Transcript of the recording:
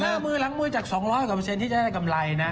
หน้ามือหลังมือจาก๒๐๐ที่จะได้กำไรนะ